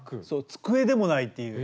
机でもないっていう。